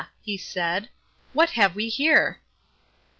he said, "what have we here?"